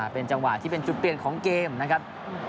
เป็นจังหวะที่เป็นจุดเปลี่ยนของเกมนะครับ